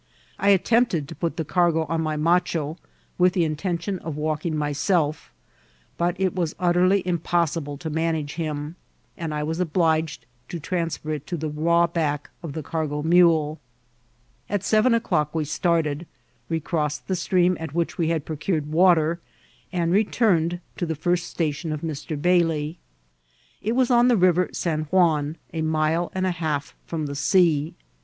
I attempted to put the cargo on my macho, with the in* tention of walking myself; but it was utterly impossible to manage him, and I was obliged to transfer it to the raw back of the cargo mule. At seven o'clock we started, recrossed the stream at which we had procured water, and returned to the first station of Mr. Bailey. It was on the River San Juan, a mile and a half from the sea.